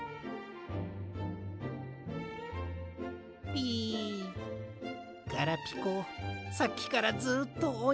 ピガラピコさっきからずっとおに。